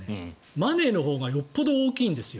マネーのほうがよっぽど大きいんですよ。